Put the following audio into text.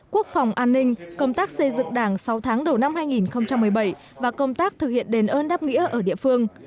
quốc phòng an ninh công tác xây dựng đảng sáu tháng đầu năm hai nghìn một mươi bảy và công tác thực hiện đền ơn đáp nghĩa ở địa phương